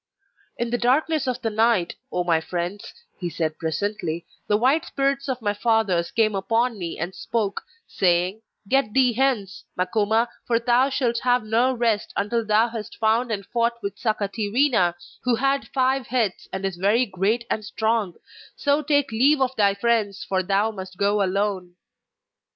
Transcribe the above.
'In the darkness of the night, O my friends,' he said presently, 'the white spirits of my fathers came upon me and spoke, saying: "Get thee hence, Makoma, for thou shalt have no rest until thou hast found and fought with Sakatirina, who had five heads, and is very great and strong; so take leave of thy friends, for thou must go alone."